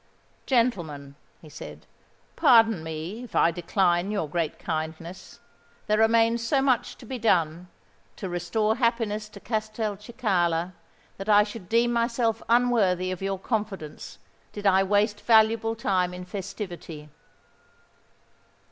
"Gentlemen," he said, "pardon me if I decline your great kindness. There remains so much to be done, to restore happiness to Castelcicala, that I should deem myself unworthy of your confidence, did I waste valuable time in festivity.